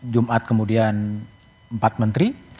jumat kemudian empat menteri